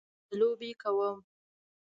زه لوبې کوم